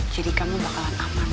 jadi kamu bakalan aman